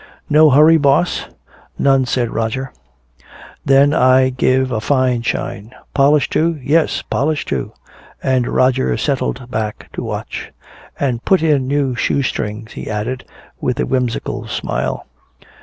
"No hurry, boss?" "None," said Roger. "Then I give a fine shine! Polish, too?" "Yes, polish, too." And Roger settled back to watch. "And put in new shoe strings," he added, with a whimsical smile.